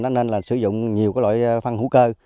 nên là sử dụng nhiều loại phân hữu cơ